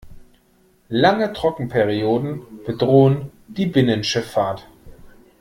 Lange Trockenperioden bedrohen die Binnenschifffahrt.